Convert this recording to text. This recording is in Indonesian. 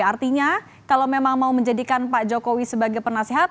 artinya kalau memang mau menjadikan pak jokowi sebagai penasehat